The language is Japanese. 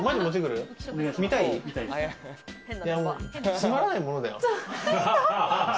つまらないものだよ。